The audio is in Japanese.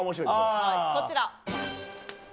こちら。